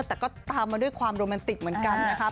แต่ก็ตามมาด้วยความโรแมนติกเหมือนกันนะคะ